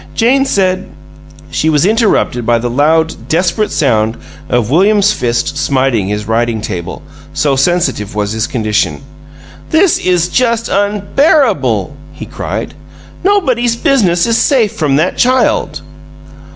"Jane said " She was interrupted by the loud, desperate sound of William's fist smiting his writing table, so sensitive was his condition. "This is just unbearable!" he cried. "Nobody's business is safe from that child!"